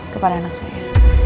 kepada anak saya